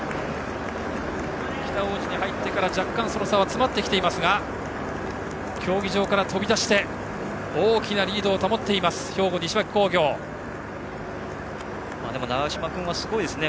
北大路に入ってから若干その差は詰まってきていますが競技場から飛び出して大きなリードを保っていますでも、長嶋君はすごいですね。